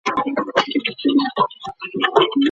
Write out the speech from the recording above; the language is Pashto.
ميرمني ته په حيض کي طلاق ورکول حرام دي.